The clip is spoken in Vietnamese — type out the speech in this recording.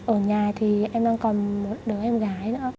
ở nhà thì em đang còn một đứa em gái nữa